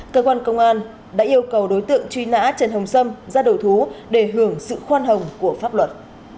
cơ quan công an đã yêu cầu đối tượng truy nã trần hồng sâm ra đầu thú để hưởng sự khoan hồng của pháp luật